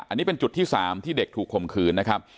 อันนี้เป็นจุดที่๓ที่เด็กถูกข่มขืนนะครับ